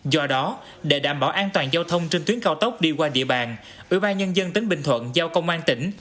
do đó để đảm bảo an toàn giao thông trên tuyến cao tốc đi qua địa bàn ủy ban nhân dân tỉnh bình thuận giao công an tỉnh